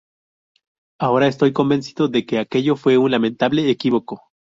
Ahora estoy convencido de que aquello fue un lamentable equívoco.